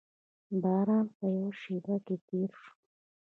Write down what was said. باران په یوه شېبه کې تېر شو.